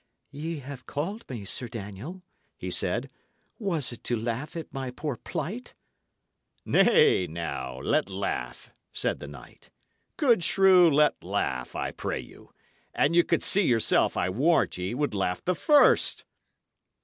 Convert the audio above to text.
"Ye have called me, Sir Daniel," he said. "Was it to laugh at my poor plight?" "Nay, now, let laugh," said the knight. "Good shrew, let laugh, I pray you. An ye could see yourself, I warrant ye would laugh the first."